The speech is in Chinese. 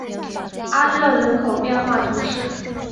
阿热人口变化图示